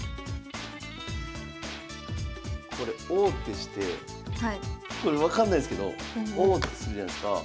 これ王手してこれ分かんないですけど王手するじゃないすか。